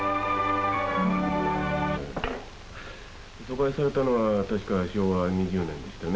疎開されたのは確か昭和２０年でしたね。